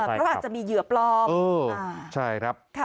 เพราะอาจจะมีเหยื่อปลอบ